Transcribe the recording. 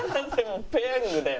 ペヤングだよ。